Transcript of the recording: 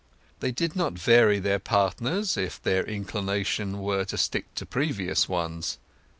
They did not vary their partners if their inclination were to stick to previous ones.